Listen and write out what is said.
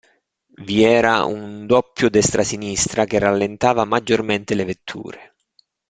Vi era un doppio destra-sinistra che rallentava maggiormente le vetture.